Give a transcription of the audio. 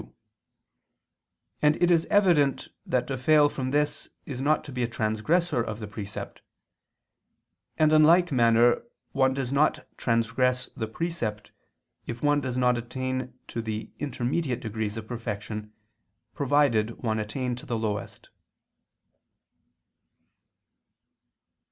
2), and it is evident that to fail from this is not to be a transgressor of the precept; and in like manner one does not transgress the precept, if one does not attain to the intermediate degrees of perfection, provided one attain to the lowest.